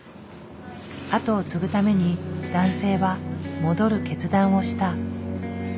後を継ぐために男性は戻る決断をした。